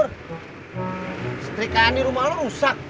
pur setrikaan di rumah lo rusak